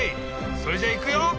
それじゃいくよ！